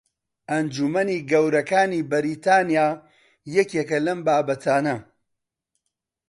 ئەنجومەنی گەورەکانی بەریتانیا یەکێکە لەم بابەتانە